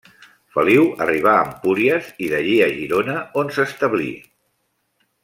Feliu arribà a Empúries i d'allí a Girona, on s'establí.